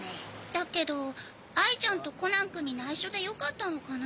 だけど哀ちゃんとコナンくんに内緒でよかったのかな？